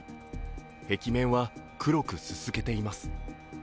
壁面は黒くすすけています。